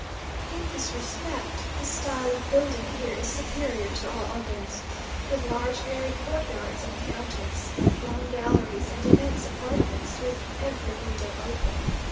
In this respect, the style of building here is superior to all others, with large airy courtyards and fountains, long galleries and immense apartments, with every window open.